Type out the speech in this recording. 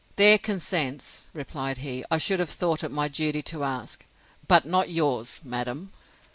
Their consents, replied he, I should have thought it my duty to ask; but not yours, madam.